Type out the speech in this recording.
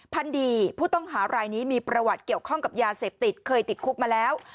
พันดีผู้ต้องหารายนี้มีประวัติเกี่ยวข้องกับยาเสพติดเคยติดคุกมาแล้ว